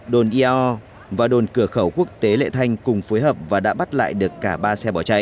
đồn iao và đồn cửa khẩu quốc tế lệ thanh cùng phối hợp và đã bắt lại được cả ba xe bỏ chạy